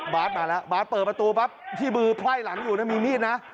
มาแล้วบาสเปิดประตูปั๊บที่มือไพ่หลังอยู่มีมีดนะ